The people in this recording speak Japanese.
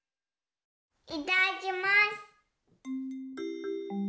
いただきます。